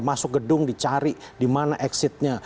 masuk gedung dicari dimana exitnya